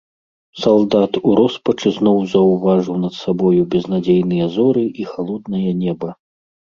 Салдат у роспачы зноў заўважыў над сабою безнадзейныя зоры і халоднае неба.